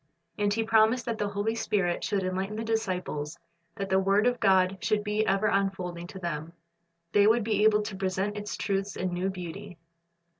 And He promised that the Holy Spirit should enlighten the disciples, that the word of God should be ever unfolding to them. They would be able to present its truths in new beauty.